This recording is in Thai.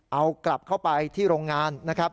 เอากลับเข้าไปที่โรงงาน